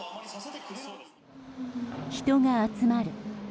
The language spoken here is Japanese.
人が集まる。